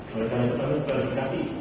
oleh karena itu kami berterima kasih